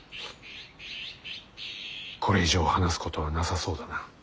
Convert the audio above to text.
これ以上話すことはなさそうだな。